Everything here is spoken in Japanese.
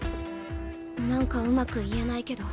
何かうまく言えないけど。